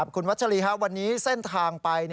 คุณวัชรีวันนี้เส้นทางไป